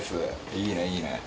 いいねいいね。